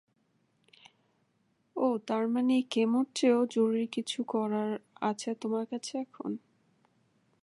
ওহ তার মানে এই কেমোর চেয়েও, জরুরী কিছু করার আছে তোমার কাছে এখন?